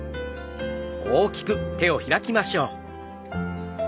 大きく手を開きましょう。